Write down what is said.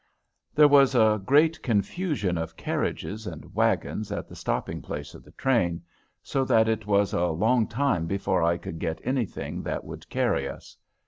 There was a great confusion of carriages and wagons at the stopping place of the train, so that it was a long time before I could get anything that would carry us.